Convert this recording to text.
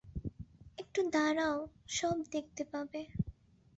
একটু দাঁড়াও, সব দেখতে পাবে।